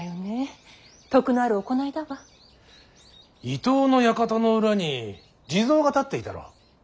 伊東の館の裏に地蔵が立っていたろう。